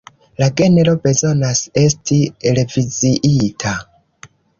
La genro bezonas esti reviziita.